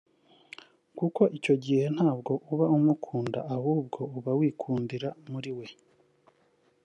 kuko icyo igihe ntabwo uba umukunda ahubwo uba wikundira muri we